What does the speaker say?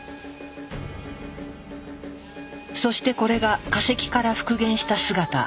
そしてこれが化石から復元した姿。